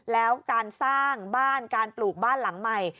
แล้วการสร้างบ้านการปลูกบ้านหลังใหม่